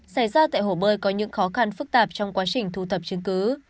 xảy ra tại hồ bơi có những khó khăn phức tạp trong quá trình thu thập chứng cứ